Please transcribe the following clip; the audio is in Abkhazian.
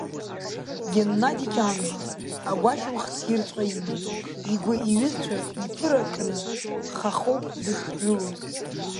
Геннади Ҷанба агәашьамх ссирҵәҟьа иман, игәы иҩызцәа ирԥыракны хахоуп дышжәылоз.